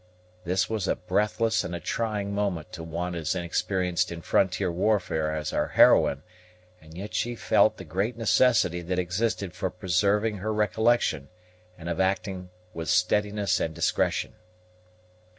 This was a breathless and a trying moment to one as inexperienced in frontier warfare as our heroine and yet she felt the great necessity that existed for preserving her recollection, and of acting with steadiness and discretion.